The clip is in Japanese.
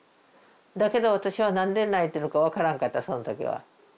だけど私は何で泣いてるか分からんかったその時は。